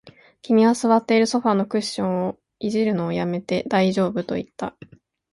君は座っているソファーのクッションを弄るのを止めて、大丈夫と言った